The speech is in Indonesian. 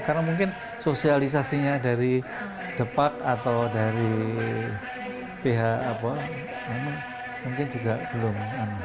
karena mungkin sosialisasinya dari depak atau dari pihak apa mungkin juga belum